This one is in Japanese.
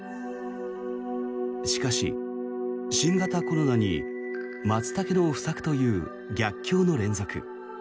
しかし、新型コロナにマツタケの不作という逆境の連続。